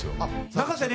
永瀬廉